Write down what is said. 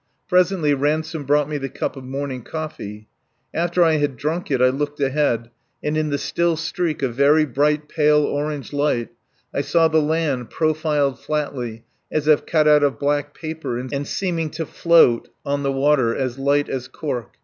Presently Ransome brought me the cup of morning coffee. After I had drunk it I looked ahead, and in the still streak of very bright pale orange light I saw the land profiled flatly as if cut out of black paper and seeming to float on the water as light as cork.